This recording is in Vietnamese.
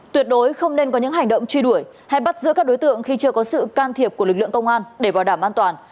tuyệt đối không nên có những hành động truy đuổi hay bắt giữ các đối tượng khi chưa có sự can thiệp của lực lượng công an để bảo đảm an toàn